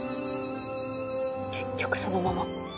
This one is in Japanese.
結局そのまま。